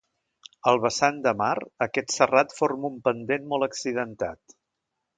Al vessant de mar, aquest serrat forma un pendent molt accidentat.